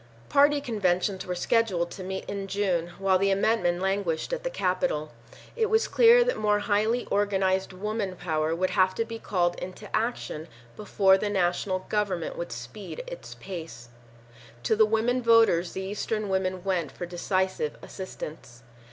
Party conventions were scheduled to meet in June while the amendment languished at the Capitol. It was clear that more highly organized woman power would have to be called into action before the national government would speed its pace. To the women voters the Eastern women went for decisive assistance.